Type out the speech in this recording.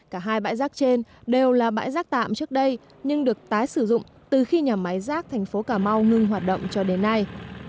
cả hai bãi rác trên đều là bãi rác tạm trước đây nhưng được tái sử dụng từ khi nhà máy rác thành phố cà mau ngưng hoạt động cho đến nay